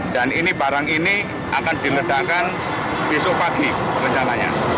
dan ini barang ini akan diledakkan besok pagi rencananya